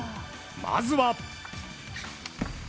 まずは。